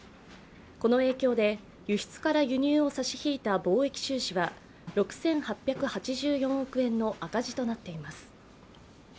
この影響で輸出から輸入を差し引いた貿易収支は、６８８４億円の赤字となっています。